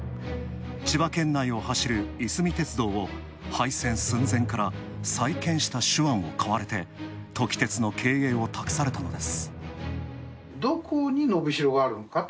千葉県内を走る、いすみ鉄道を廃線寸前から再建した手腕を買われて、トキ鉄の経営を託されたのです。